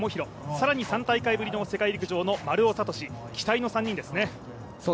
更に３大会ぶりの世界陸上の丸尾知司期待の３人ですね。